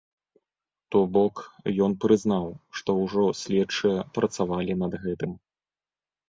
То бок, ён прызнаў, што ўжо следчыя працавалі над гэтым.